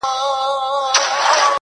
ستا تصوير خپله هينداره دى زما گراني .